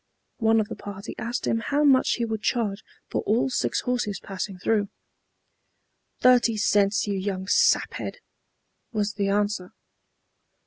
One of the party asked him how much he would charge for all six horses passing through. "Thirty cents, you young saphead," was the answer.